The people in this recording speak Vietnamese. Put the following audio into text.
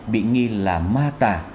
bị nghi là ma tà